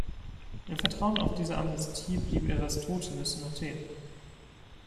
Im Vertrauen auf diese Amnestie blieb Eratosthenes in Athen.